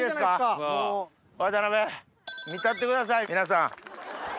見てやってください皆さん。